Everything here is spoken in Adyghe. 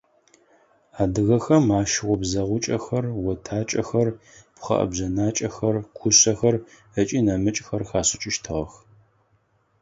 Адыгэхэм ащ обзэгъукӏэхэр, отакӏэхэр, пхъэӏэбжъэнакӏэхэр, кушъэхэр ыкӏи нэмыкӏхэр хашӏыкӏыщтыгъэх.